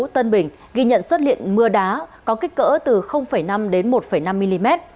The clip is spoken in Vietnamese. tân bình ghi nhận xuất hiện mưa đá có kích cỡ từ năm đến một năm mm